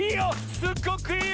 すっごくいいよ！